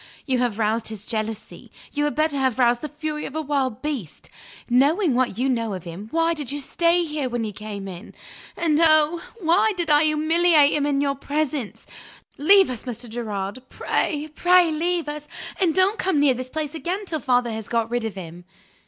You have roused his jealousy. You had better have roused the fury of a wild beast. Knowing what you know of him, why did you stay here, when he came in? And, oh, why did I humiliate him in your presence? Leave us, Mr. Gerard pray, pray leave us, and don't come near this place again till father has got rid of him."